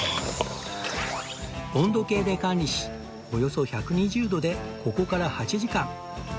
温度計で管理しおよそ１２０度でここから８時間